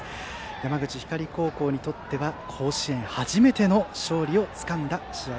山口・光高校にとっては甲子園初めての勝利をつかんだ試合。